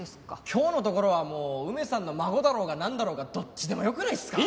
今日のところはもう梅さんの孫だろうがなんだろうがどっちでもよくないですか？